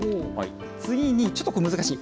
次にちょっとここ、難しい。